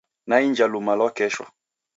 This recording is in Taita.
Naiinja luma lwa kesho.